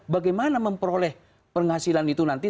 bagaimana memperoleh penghasilan itu nanti